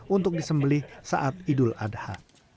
untuk disembeli saat idul adha